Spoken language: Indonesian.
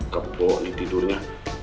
kebok nih tidurnya